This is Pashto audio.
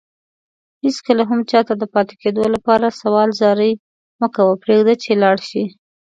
هيڅ کله هم چاته دپاتي کيدو لپاره سوال زاری مکوه پريږده چي لاړشي